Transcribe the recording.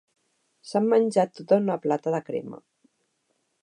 S'han menjat tota una plata de crema.